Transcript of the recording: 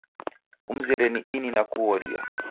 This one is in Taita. Kusemzere ni ini nakughoria.